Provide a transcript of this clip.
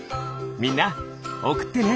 みんなおくってね！